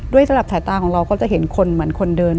สำหรับสายตาของเราก็จะเห็นคนเหมือนคนเดิน